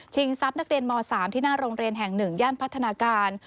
ทรัพย์นักเรียนม๓ที่หน้าโรงเรียนแห่ง๑ย่านพัฒนาการ